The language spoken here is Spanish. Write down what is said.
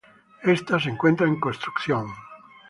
Esta se encuentra en construcción.